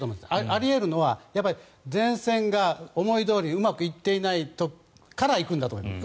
あり得るのは前線が思いどおりうまくいっていないから行くんだと思います。